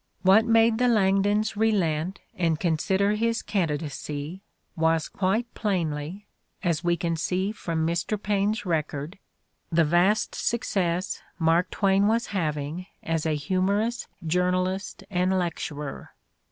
What made the Langdons relent and consider his candidacy was quite plainly, as we can see from Mr. Paine 's record, the vast success Mark Twain was hav ing as a humorous journalist and lecturer.